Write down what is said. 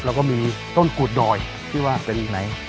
แล้วก็มีต้นกุดดอยที่ว่าเป็นไหน